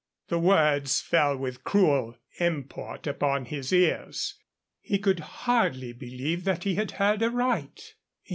The words fell with cruel import upon his ears. He could hardly believe that he had heard aright.